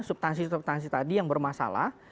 subtansi subtansi tadi yang bermasalah